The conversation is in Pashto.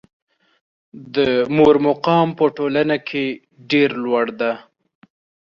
د مور مقام په ټولنه کې ډېر لوړ ده.